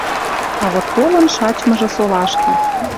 А вот толын шачмыжы солашкы —